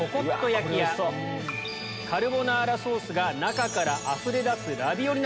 カルボナーラソースが中からあふれ出す。